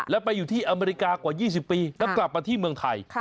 แล้วไปอยู่ที่อเมริกากว่า๒๐ปีแล้วกลับมาที่เมืองไทย